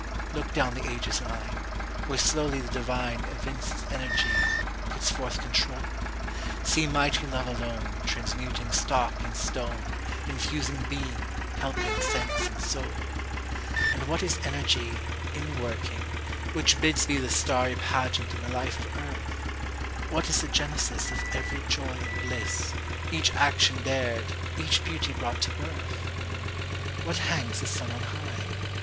Look down the ages' line, Where slowly the divineEvinces energy, puts forth control; See mighty love aloneTransmuting stock and stone, Infusing being, helping sense and soul. And what is energy, In working, which bids beThe starry pageant and the life of earth? What is the genesisOf every joy and bliss, Each action dared, each beauty brought to birth? What hangs the sun on high?